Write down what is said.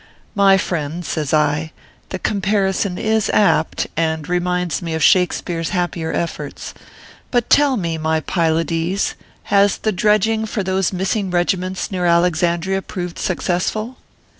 " My friend," says I, " the comparison is apt, and reminds me of Shakspeare s happier efforts. But tell me, my Pylades, has the dredging for those missing regiments near Alexandria proved successful